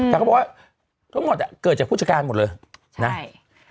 แต่เขาบอกว่าทั้งหมดเกิดจากผู้จัดการหมดเลยนะใช่